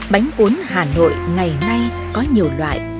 bánh cuốn hà nội ngày nay có nhiều loại